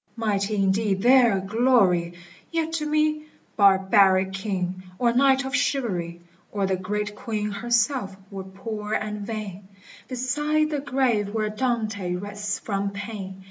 Mighty indeed their glory ! yet to me Barbaric king, or knight of chivalry, Or the great queen herself, were poor and vain, Beside the grave where Dante rests from pain.